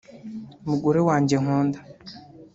Mugore wanjye nkunda